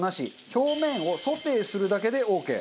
表面をソテーするだけでオーケー。